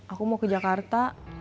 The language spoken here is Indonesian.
aku mau ke jakarta